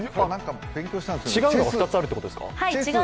違うのが２つあるということですか？